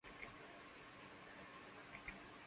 Sci., Biol.